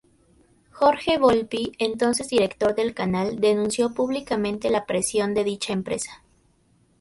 Jorge Volpi, entonces director del canal denunció públicamente la presión de dicha empresa.